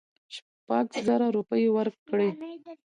شپږزره روپۍ ورکړې.